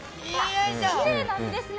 きれいな身ですね。